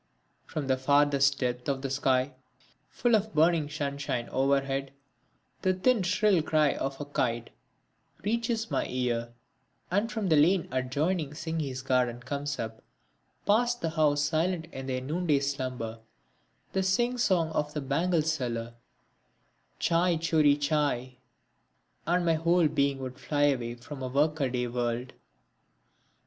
From the furthest depth of the sky full of burning sunshine overhead the thin shrill cry of a kite reaches my ear; and from the lane adjoining Singhi's Garden comes up, past the houses silent in their noonday slumber, the sing song of the bangle seller chai choori chai ... and my whole being would fly away from the work a day world.